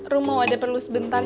rum mau ada perlu sebentar